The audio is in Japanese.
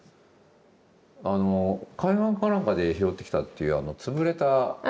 あの海岸かなんかで拾ってきたっていう潰れたあの缶の。